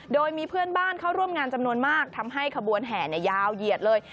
โดยมีเพื่อนบ้านเข้าร่วมงานจำนวนมากทำให้ขบวนแห่ยาวเหยียดเลย